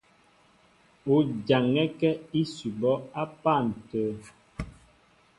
O jaŋɛ́kɛ́ ísʉbɔ́ á pân tə̂.